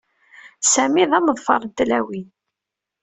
Sami d ameḍfar n tlawin.